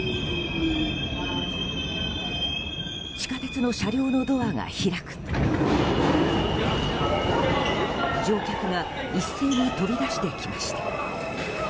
地下鉄の車両のドアが開くと乗客が一斉に飛び出してきました。